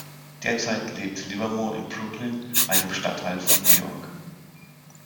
Derzeit lebt Livermore in Brooklyn, einem Stadtteil von New York.